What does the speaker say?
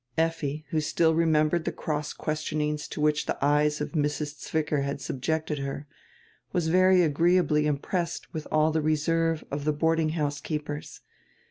Effi, who still remembered die cross questionings to which die eyes of Mrs. Zwicker had subjected her, was very agree ably impressed with die reserve of die boarding house keepers.